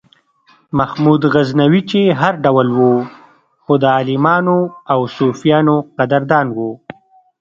محمود غزنوي چې هر ډول و خو د عالمانو او صوفیانو قدردان و.